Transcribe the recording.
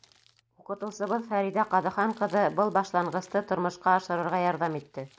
Уҡытыусыбыҙ Фәриҙә Ҡаҙыхан ҡыҙы был башланғысты тормошҡа ашырырға ярҙам итте.